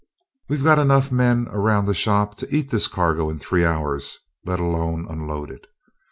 We've got men enough around the shop to eat this cargo in three hours, let alone unload it.